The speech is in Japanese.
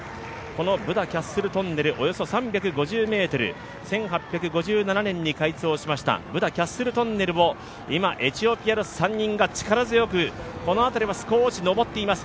ブダ・キャッスル・トンネル、およそ３５０ｍ、１８５７年に開通しましたブダ・キャッスル・トンネルを今、エチオピアの３人が力強くこの辺りは少し上っています。